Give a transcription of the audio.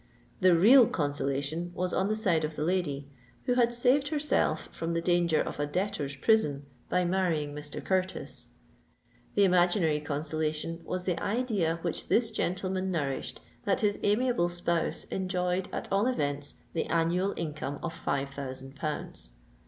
The real consolation was on the side of the lady, who had saved herself from the danger of a debtor's prison by marrying Mr. Curtis. The imaginary consolation was the idea which this gentleman nourished that his amiable spouse enjoyed at all events the annual income of five thousand pounds.